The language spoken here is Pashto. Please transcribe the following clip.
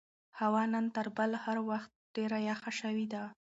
هوا نن تر بل هر وخت ډېره یخه شوې ده.